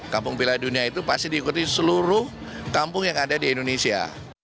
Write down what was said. kampung piala dunia itu pasti diikuti seluruh kampung yang ada di indonesia